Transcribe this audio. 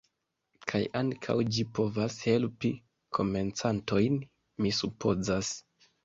Kaj ankaŭ ĝi povas helpi komencantojn, mi supozas.